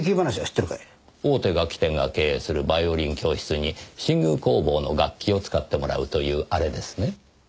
大手楽器店が経営するバイオリン教室に新宮工房の楽器を使ってもらうというあれですね？